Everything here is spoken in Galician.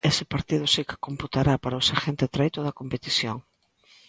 Ese partido si que computará para o seguinte treito da competición.